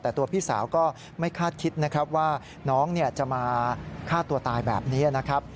แต่ตัวพี่สาวก็ไม่คาดคิดนะครับว่าน้องจะมาฆ่าตัวตายแบบนี้นะครับ